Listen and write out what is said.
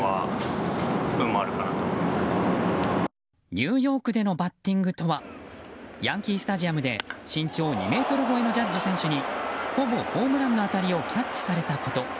ニューヨークでのバッティングとはヤンキースタジアムで身長２ｍ超えのジャッジ選手にほぼホームランの当たりをキャッチされたこと。